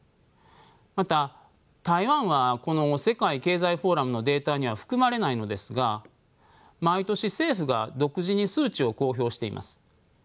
また台湾はこの世界経済フォーラムのデータには含まれないのですが毎年政府が独自に数値を公表しています。